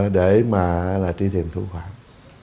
để mà trí tiền thu khoản